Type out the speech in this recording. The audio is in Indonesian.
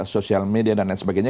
sosial media dan lain sebagainya